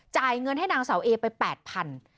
จ่ายเงินให้นางเสาเอไป๘๐๐บาท